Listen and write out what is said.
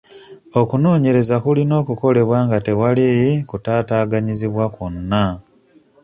Okunoonyereza kulina okukolebwa nga tewali kutaataaganyizibwa kwonna.